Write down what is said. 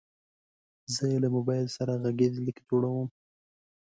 زه له موبایل سره غږیز لیک جوړوم.